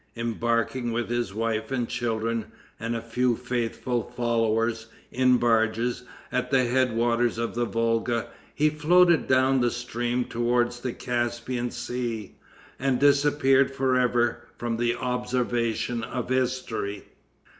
Embarking, with his wife and children, and a few faithful followers, in barges, at the head waters of the Volga, he floated down the stream towards the Caspian Sea, and disappeared for ever from the observation of history.